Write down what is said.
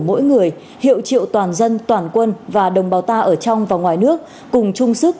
mỗi người hiệu triệu toàn dân toàn quân và đồng bào ta ở trong và ngoài nước cùng chung sức